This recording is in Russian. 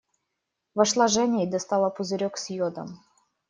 Вошла Женя и достала пузырек с йодом.